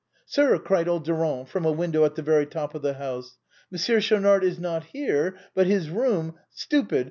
" Sir," cried old Durand from a window at the very top of the house, " Monsieur Schaunard is not here, but his room — stupid